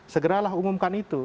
segeralah umumkan itu